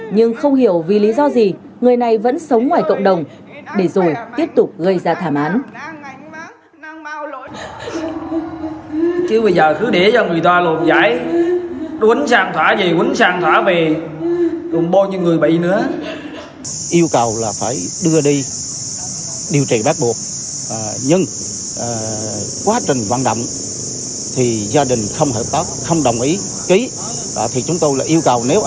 nhưng không hiểu vì lý do gì người này vẫn sống ngoài cộng đồng để rồi tiếp tục gây ra thảm án